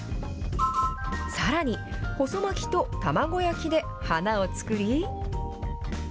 さらに、細巻きと卵焼きで花を作り。